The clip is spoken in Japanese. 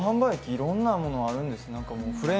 いろんなものがあるんですね。